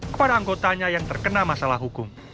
kepada anggotanya yang terkena masalah hukum